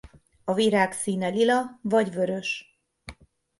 A virág színe lila vagy vörös.